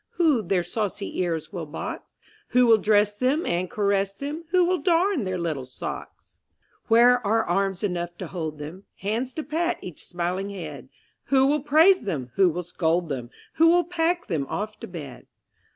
Who their saucy ears will box? Who will dress them and caress them? Who will darn their little socks? Where are arms enough to hold them? Hands to pat each smiling head? Who will praise them? who will scold them? Who will pack them off to bed?